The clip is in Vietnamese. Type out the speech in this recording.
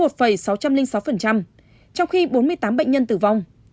trong khi bốn mươi tám bệnh nhân tử vong